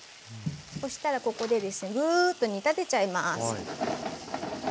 そしたらここでですねぐっと煮立てちゃいます。